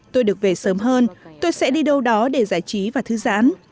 tôi được về sớm hơn tôi sẽ đi đâu đó để giải trí và thư giãn